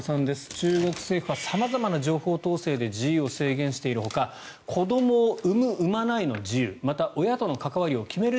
中国政府は様々な情報統制で自由を制限しているほか子どもを産む産まないの自由また親との関わりを決める